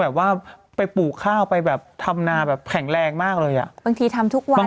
แบบว่าไปปลูกข้าวไปแบบทำนาแบบแข็งแรงมากเลยอ่ะบางทีทำทุกวัน